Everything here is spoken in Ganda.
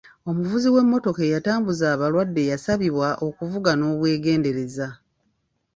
Omuvuzi w'emmotoka etambuza abalwadde yasabibwa okuvuga n'obwegendereza.